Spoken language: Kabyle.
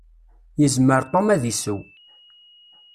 Yezmer Tom ad iseww.